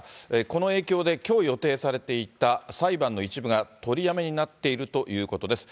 この影響で、きょう予定されていた裁判の一部が取りやめになっているということです。